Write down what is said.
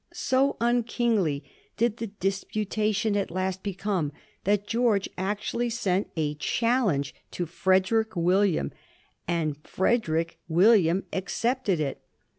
So unkiugly did the disputation at last become that George actually sent a challenge to Frederick William, and Frederick William accepted it.